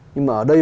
nhưng mà ở đây